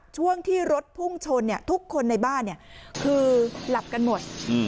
ช่วงที่รถพุ่งชนเนี้ยทุกคนในบ้านเนี้ยคือหลับกันหมดอืม